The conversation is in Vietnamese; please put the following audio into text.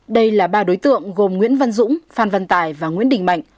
đây là ba đối tượng gồm nguyễn văn dũng phan văn tài và nguyễn đình mạnh